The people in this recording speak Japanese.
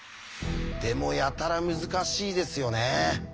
でもやたら難しいですよね。